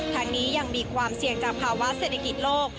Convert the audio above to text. ทั้งนี้ยังมีความเสี่ยงจากภาวะเศรษฐกิจโลก